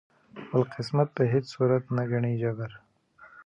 خپل قسمت په هیڅ صورت نه ګڼي جبر